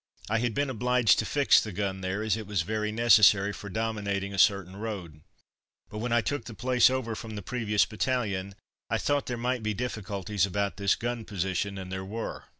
I had been obliged to fix the gun there, as it was very necessary for dominating a certain road. But when I took the place over from the previous battalion, I thought there might be difficulties about this gun position, and there were.